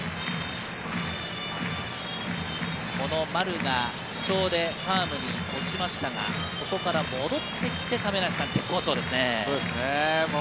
丸が不調でファームに落ちましたが、そこから戻ってきて絶好調ですね。